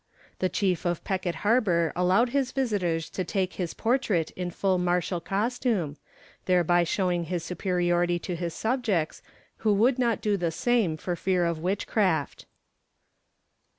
The chief of Peckett Harbour allowed his visitors to take his portrait in full martial costume, thereby showing his superiority to his subjects, who would not do the same for fear of witchcraft.